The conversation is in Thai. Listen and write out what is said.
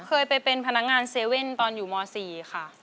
ก็เคยไปเป็นพนักงานเซเว่นตอนอยู่ม๔ค่ะ